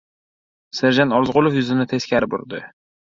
Serjant Orziqulov yuzini teskari burdi.